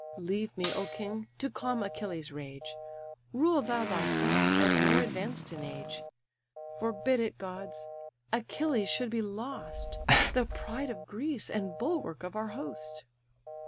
Leave me, O king! to calm Achilles' rage; Rule thou thyself, as more advanced in age. Forbid it, gods! Achilles should be lost, The pride of Greece, and bulwark of our host."